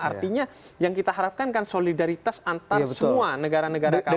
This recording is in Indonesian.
artinya yang kita harapkan kan solidaritas antar semua negara negara kami